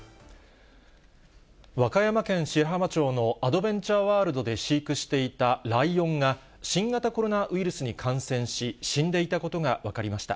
和歌山県白浜町のアドベンチャーワールドで飼育していたライオンが、新型コロナウイルスに感染し、死んでいたことが分かりました。